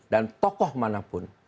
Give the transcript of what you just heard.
dan tokoh manapun